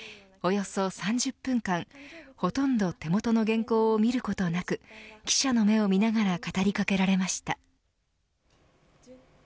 およそ３０分間ほとんど手元の原稿を見ることなく記者の目を見ながら語りかけられました。